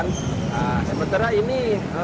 nah sementara ini